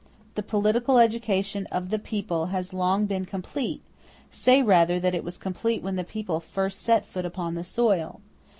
The political education of the people has long been complete; say rather that it was complete when the people first set foot upon the soil.